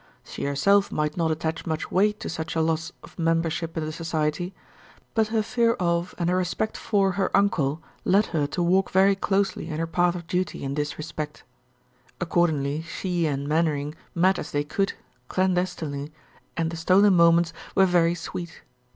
She herself might not attach much weight to such a loss of membership in the Society, but her fear of, and her respect for, her uncle led her to walk very closely in her path of duty in this respect. Accordingly she and Mainwaring met as they could clandestinely and the stolen moments were very sweet.